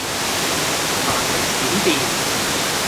行雷閃電